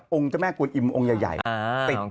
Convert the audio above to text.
อุโยงมาขุทรมาก